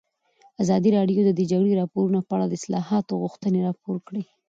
ازادي راډیو د د جګړې راپورونه په اړه د اصلاحاتو غوښتنې راپور کړې.